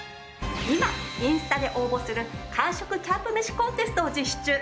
今インスタで応募する韓食キャンプ飯コンテストを実施中。